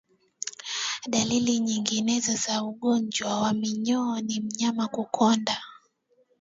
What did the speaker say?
Dalili nyinginezo za ugonjwa wa minyoo ni mnyama kukonda